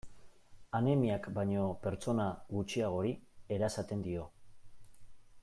Anemiak baino pertsona gutxiagori erasaten dio.